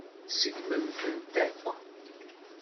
Tseggmemt-ten akk.